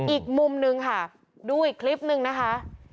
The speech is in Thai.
อีกมุมนึงค่ะดูอีกคลิปนึงนะคะ